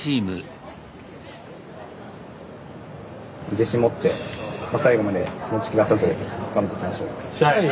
自信持って最後まで気持ち切らさずに頑張っていきましょう。